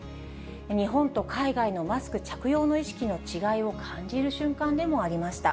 日本と海外のマスク着用の意識の違いを感じる瞬間でもありました。